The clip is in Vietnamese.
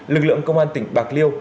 lực lượng công an tỉnh bạc liêu